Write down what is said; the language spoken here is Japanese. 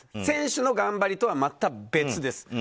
選手の頑張りとはまた別です。